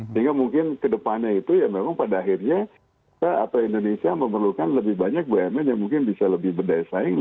sehingga mungkin kedepannya itu ya memang pada akhirnya kita atau indonesia memerlukan lebih banyak bumn yang mungkin bisa lebih berdaya saing